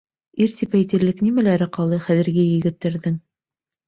Ир тип әйтерлек нимәләре ҡалды хәҙерге егеттәрҙең?